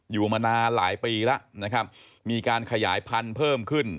อยู่มานานหลายปีแล้วนะครับมีการขยายพันธุ์เพิ่มขึ้น